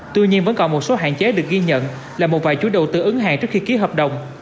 tuy nhiên vẫn còn một số hạn chế được ghi nhận là một vài chú đầu tư ứng hàng trước khi ký hợp đồng